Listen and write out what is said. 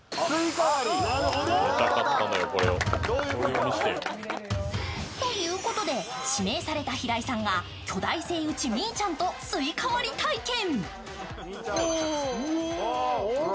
ということで、指名された平井さんが巨大セイウチ・みーちゃんとすいか割り体験。